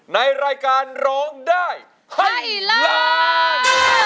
ในรายการร้องได้ให้ล้าน